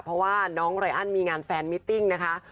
เพราะว่าน้องไรอันมีงานแฟนมิติ้งนะคะ